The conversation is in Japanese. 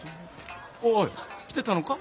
おっ来てたのか。